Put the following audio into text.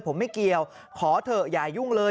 ผมไม่เกี่ยวขอเถอะอย่ายุ่งเลย